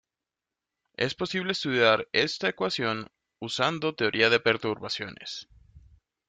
Es posible estudiar esta ecuación usando teoría de perturbaciones.